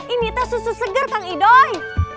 ini itu susu segar kang idoi